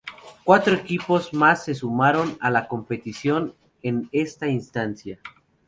Cuatro equipos más se sumaron a la competición en esta instancia.